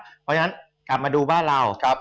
เพราะฉะนั้นกลับมาดูบ้านเรา